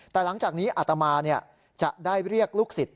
แต่หลังจากนี้อาตมาจะได้เรียกลูกศิษย